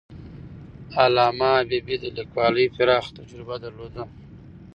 علامه حبيبي د لیکوالۍ پراخه تجربه درلوده.